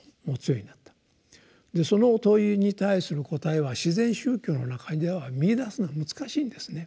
その問いに対する答えは「自然宗教」の中では見いだすのは難しいんですね。